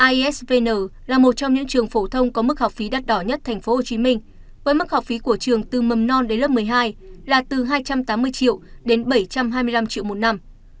isvn là một trong những trường phổ thông có mức học phí đắt đỏ nhất tp hcm với mức học phí của trường từ mầm non đến lớp một mươi hai là từ hai trăm tám mươi triệu đến bảy trăm hai mươi năm triệu một năm